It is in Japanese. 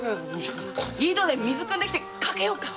井戸で水くんできてかけようか？